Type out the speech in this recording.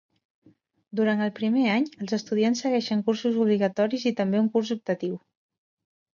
Durant el primer any, els estudiants segueixen cursos obligatoris i també un curs optatiu.